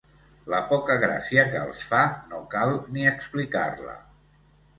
La poca gràcia que els fa, no cal ni explicar-la.